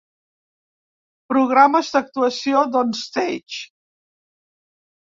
Programes d'actuació d'OnStage.